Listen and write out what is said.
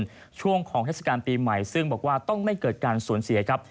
ในช่วงของเทศกาลปีใหม่ซึ่งบอกว่าต้องไม่เกิดการสูญเสียครับ